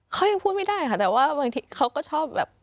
เขายังพูดไม่ได้ค่ะแต่ว่าบางทีเขาก็ชอบแบบ